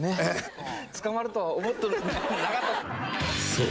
［そう。